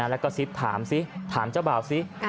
แล้วก็ซิบถามเจ้าบ่าวสิ